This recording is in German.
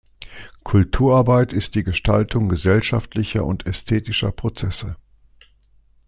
Kulturarbeit ist die Gestaltung gesellschaftlicher und ästhetischer Prozesse.